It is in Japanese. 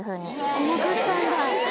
ごまかしたんだ。